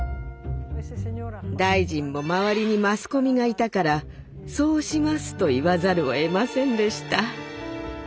大臣も周りにマスコミがいたから「そうします」と言わざるをえませんでした。